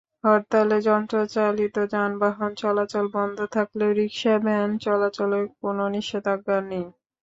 হরতালে যন্ত্রচালিত যানবাহন চলাচল বন্ধ থাকলেও রিকশা-ভ্যান চলাচলে কোনো নিষেধাজ্ঞা নেই।